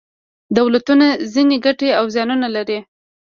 دولتونه ځینې ګټې او زیانونه لري.